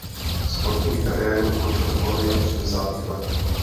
Sportovní kariéru ukončil v polovině osmdesátých let.